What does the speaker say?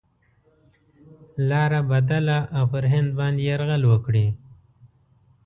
لاره بدله او پر هند باندي یرغل وکړي.